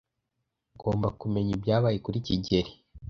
Ngomba kumenya ibyabaye kuri kigeli.